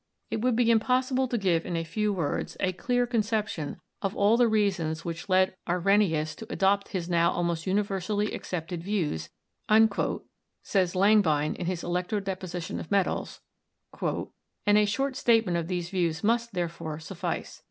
"It would be impossible to give in a few words a clear 254 ELECTRICITY conception of all the reasons which led Arrhenius to adopt his now almost universally accepted views," says Lang bein in his 'Electro Deposition of Metals/ "and a short statement of these views must, therefore, suffice.